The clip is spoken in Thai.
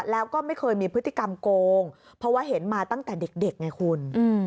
แล้วก็ไม่เคยมีพฤติกรรมโกงเพราะว่าเห็นมาตั้งแต่เด็กไงคุณ